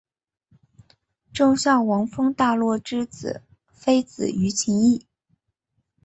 周孝王封大骆之子非子于秦邑。